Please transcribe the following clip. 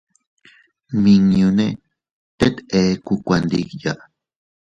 Nmiñune teet eku kuandiya.